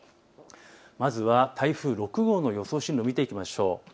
まずは台風６号の予想進路見ていきましょう。